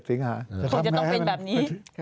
จะต้องเป็นแบบนี้